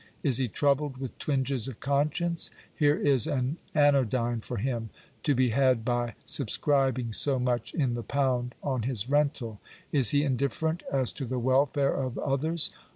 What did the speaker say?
Is he troubled with twinges of conscience ? here is an anodyne for him, to be had by sub scribing so much in the pound on his rental. Is he indifferent as to the welfare of others